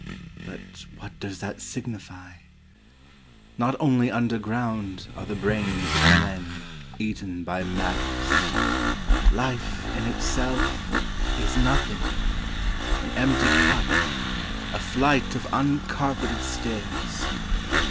But what does that signify? Not only under ground are the brains of men Eaten by maggots. Life in itself Is nothing, An empty cup, a flight of uncarpeted stairs.